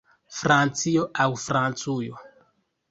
Francio aŭ Francujo?